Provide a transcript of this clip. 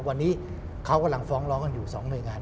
วันนี้เขากำลังฟ้องร้องกันอยู่๒หน่วยงาน